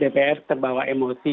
dpr terbawa emosi